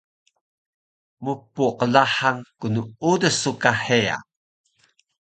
mpqlahang knuudus su ka heya